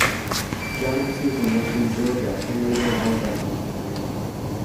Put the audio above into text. John and Susan lived in Georgia and later in Alabama.